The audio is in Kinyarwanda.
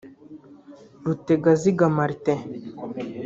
Rutegaziga Martin